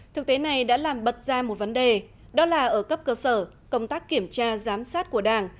thực tế này đã làm bật ra một vấn đề đó là ở cấp cơ sở công tác kiểm tra giám sát của đảng